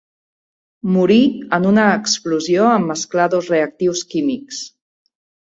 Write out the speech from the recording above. Morí en una explosió en mesclar dos reactius químics.